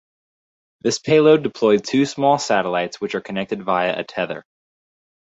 This payload deployed two small satellites which are connected via a tether.